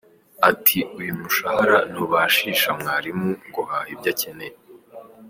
Ati “Uyu mushahara ntubashisha mwarimu guhaha ibyo akeneye.